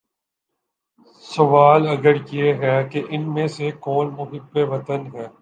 سوال اگر یہ ہو کہ ان میں سے کون محب وطن ہے